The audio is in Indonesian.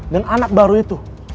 dan anak baru itu